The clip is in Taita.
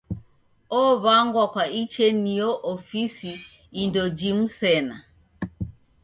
Ow'angwa kwa icheniyo ofisi indo jimu sena.